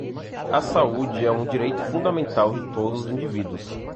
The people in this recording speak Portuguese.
A saúde é um direito fundamental de todos os indivíduos.